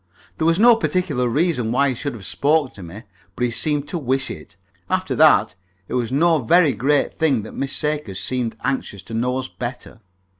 There was no particular reason why he should have spoken to me, but he seemed to wish it. After that, it was no very great thing that Miss Sakers seemed anxious to know us better.